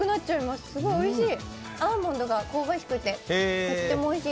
すごくおいしい！